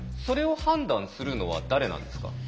それを判断するのは誰なんですか？